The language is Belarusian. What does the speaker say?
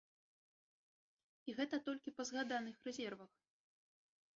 І гэта толькі па згаданых рэзервах.